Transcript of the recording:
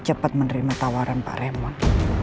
cepat menerima tawaran pak rewan